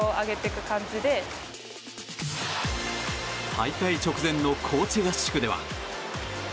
大会直前の高地合宿では。